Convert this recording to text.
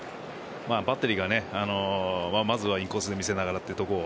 バッテリーがまずはインコースで見せながらというところ